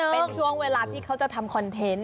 เป็นช่วงเวลาที่เขาจะทำคอนเทนต์